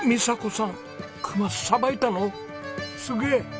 すげえ！